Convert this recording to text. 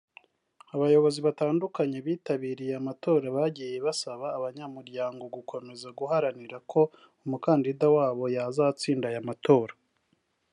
Abayobozi batandukanye bitabiriye amatora bagiye basaba abanyamuryango gukomeza guharanira ko umukandida wabo yazatsinda aya matora